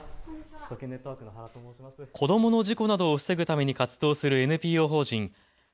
子どもの事故などを防ぐために活動するＮＰＯ法人